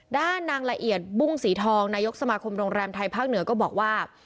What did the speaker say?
ด้านนางละเอียดบุ้งสีทองนายกสมาคมโรงแรมไทยภาคเหนือก็บอกว่า